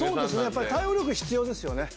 やっぱり対応力は必要ですよね。